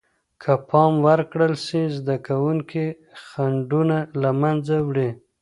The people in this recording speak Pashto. که پام ورکړل سي، زده کوونکي خنډونه له منځه وړي.